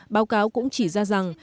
báo cáo cũng chỉ ra rằng